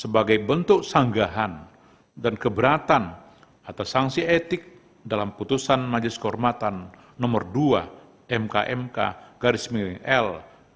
sebagai bentuk sanggahan dan keberatan atas sanksi etik dalam putusan majelis kehormatan no dua mkmk l dua ribu dua puluh tiga